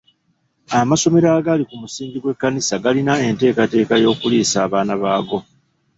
Amasomero agali ku musingi gw'ekkanisa galina enteekateka y'okuliisa abaana baago.